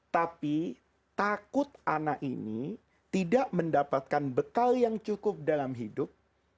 tapi takut anak ini tidak mendapatkan bekal yang cukup dalam hidup